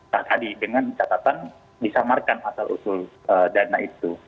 nah tadi dengan catatan disamarkan asal usul dana itu